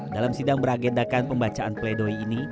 dalam sidang beragendakan pembacaan pledoi ini